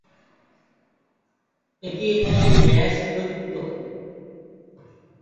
এটি একটি গ্যাস দৈত্য।